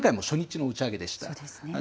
前回も初日の打ち上げでした。